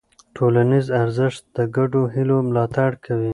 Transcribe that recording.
ټولنیز ارزښت د ګډو هيلو ملاتړ کوي.